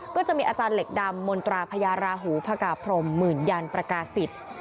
ก็จะมีอาจารย์เหล็กดำมนตราพญาราหูพกาพรมหมื่นยันประกาศิษย์